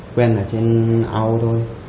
quên ở trên ao thôi